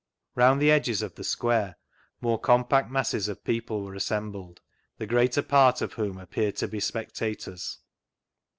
Round the edges of the square more compact masses of people were assembled, the greater part of whom appeared to be spectators.